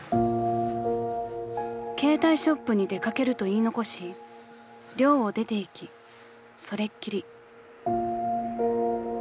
［携帯ショップに出掛けると言い残し寮を出ていきそれっきり］